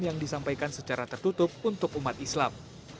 yang disampaikan secara tertutup untuk umat islam